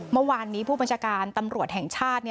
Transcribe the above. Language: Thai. เมื่อวานนี้ผู้บัญชาการตำรวจแห่งชาติ